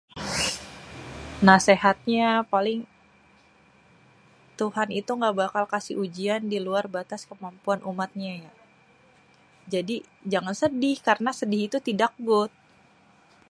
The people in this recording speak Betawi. nasehatnya paling, Tuhan itu gabakal kasi hujian di luar batas kemampuannya umatnyè jadi jangan sedih karna sedih itu tidak ga good.